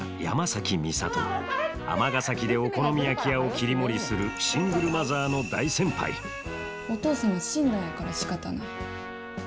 尼崎でお好み焼き屋を切り盛りするシングルマザーの大先輩お父さんは死んだんやからしかたない。